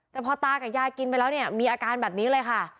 แต่พอตากับยายกินไปแล้วเนี่ยมีอาการแบบนี้เลยค่ะ